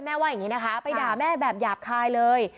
ว่าอย่างนี้นะคะไปด่าแม่แบบหยาบคายเลย